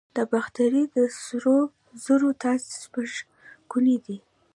د باختر د سرو زرو تاج شپږ ګونی دی